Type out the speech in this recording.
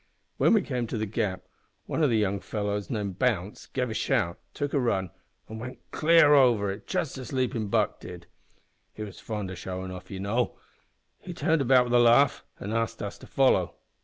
"When we came to the gap, one of the young fellows named Bounce gave a shout, took a run, and went clear over it just as Leapin' Buck did. He was fond o' showin' off, you know! He turned about with a laugh, and asked us to follow.